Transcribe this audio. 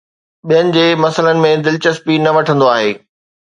ٻين جي مسئلن ۾ دلچسپي نه وٺندو آهي